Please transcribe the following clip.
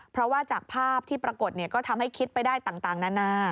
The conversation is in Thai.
เพราะว่าจากภาพที่ปรากฏก็ทำให้คิดไปได้ต่างนานา